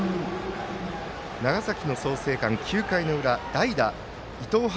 長崎の創成館、９回の裏代打、伊藤悠